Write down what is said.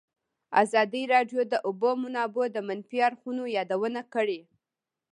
ازادي راډیو د د اوبو منابع د منفي اړخونو یادونه کړې.